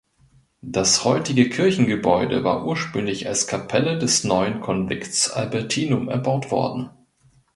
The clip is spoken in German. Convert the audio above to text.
Das heutige Kirchengebäude war ursprünglich als Kapelle des neuen Konvikts Albertinum erbaut worden.